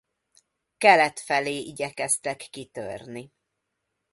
Kelet felé igyekeztek kitörni.